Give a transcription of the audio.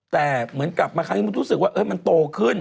แต่เหมือนกลับมาครั้งนี้มันรู้สึกว่ามันโตขึ้น